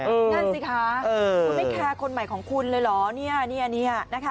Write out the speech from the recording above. นั่นสิคะไม่แค่คนใหม่ของคุณเลยหรอเนี่ย